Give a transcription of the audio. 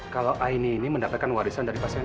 kalau aini ini mendapatkan warisan dari pak seno